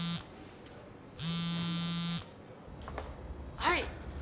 はい。